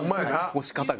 押し方が。